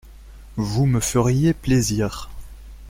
Vous me feriez plaisir.